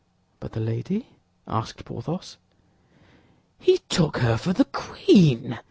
"But the lady?" asked Porthos. "He took her for the queen!"